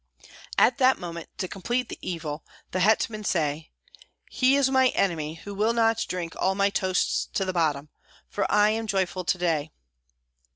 At that moment, to complete the evil, the hetman said, "He is my enemy who will not drink all my toasts to the bottom, for I am joyful to day."